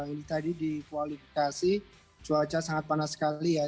ini tadi di kualifikasi cuaca sangat panas sekali ya